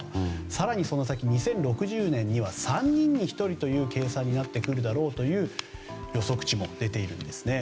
更にその先２０６０年には３人に１人という計算になってくるだろうという予測値も出ているんです。